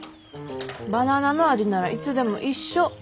バナナの味ならいつでも一緒。